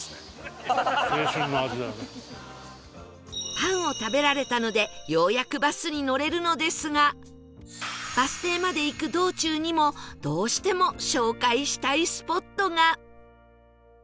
パンを食べられたのでようやくバスに乗れるのですがバス停まで行く道中にもどうしても紹介したいスポットが